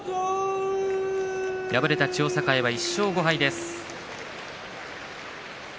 敗れた千代栄は１勝５敗です。